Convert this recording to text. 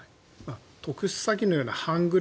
特殊詐欺のような半グレ